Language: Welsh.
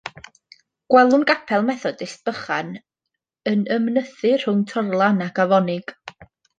Gwelwn gapel Methodist bychan yn ymnythu rhwng torlan ac afonig.